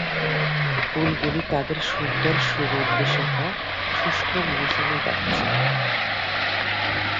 ফুলগুলি তাদের সুন্দর সুগন্ধিসহ শুষ্ক মৌসুমে দেখা যায়।